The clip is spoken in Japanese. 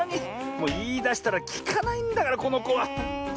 もういいだしたらきかないんだからこのこは。